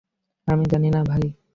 আমি জানি না ভাই।